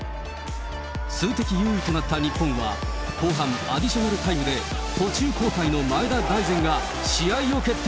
数的優位となった日本は、後半アディショナルタイムで、途中交代の前田大然が試合を決定